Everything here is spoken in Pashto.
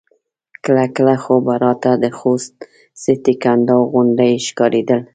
کله کله خو به راته د خوست سټې کنډاو غوندې ښکارېدل.